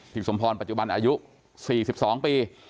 สมพรปัจจุบันอายุ๔๒ปี